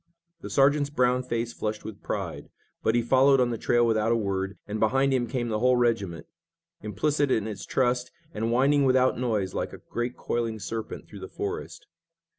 The sergeant's brown face flushed with pride, but he followed on the trail without a word and behind him came the whole regiment, implicit in its trust, and winding without noise like a great coiling serpent through the forest.